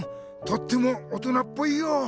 とっても大人っぽいよ。